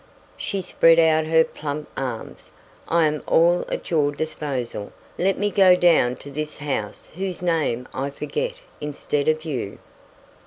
She spread out her plump arms. "I am all at your disposal. Let me go down to this house whose name I forget instead of you."